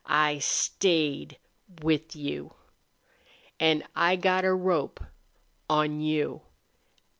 "I stayed with you! An' I got a rope on you!